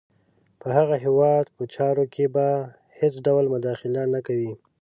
په هغه هیواد په چارو کې به هېڅ ډول مداخله نه کوي.